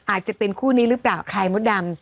อาจจะเป็นคู่นี้หรือเปล่าใครมดดำ